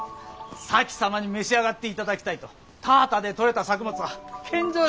前様に召し上がっていただきたいと田畑でとれた作物を献上してくれまする。